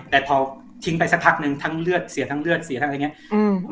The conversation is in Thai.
แต่พอทิ้งไปสักพักนึงทั้งเลือดเสียทั้งเลือดเสียทั้งอะไรอย่างนี้